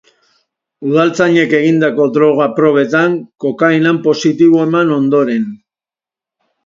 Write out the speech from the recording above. Udaltzainek egindako droga probetan kokainan positibo eman ondoren.